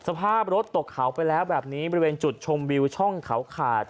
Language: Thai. สภาพรถตกเขาไปแล้วแบบนี้บริเวณจุดชมวิวช่องเขาขาด